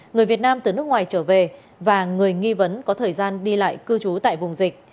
người việt nam từ nước ngoài trở về và người nghi vấn có thời gian đi lại cư trú tại vùng dịch